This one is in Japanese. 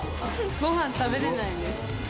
ごはん食べれないです。